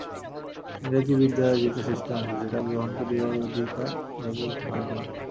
ইংরেজি বিদ্যার যেটা শ্রেষ্ঠ অংশ সেটা গ্রহণ করিবার অধিকার ইহাদের হয় নাই।